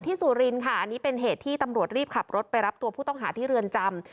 สุรินค่ะอันนี้เป็นเหตุที่ตำรวจรีบขับรถไปรับตัวผู้ต้องหาที่เรือนจำ